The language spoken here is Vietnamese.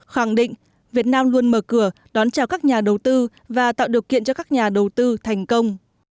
khẳng định việt nam luôn mở cửa đón chào các nhà đầu tư và tạo điều kiện cho các nhà đầu tư thành công